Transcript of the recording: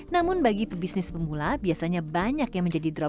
namun bagi pebisnis pemula biasanya banyak yang menjadi drop